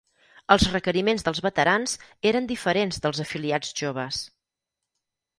Els requeriments dels veterans eren diferents dels afiliats joves.